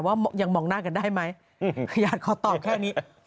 ว่ายังมองหน้ากันได้ไหมขยันขอตอบแค่นี้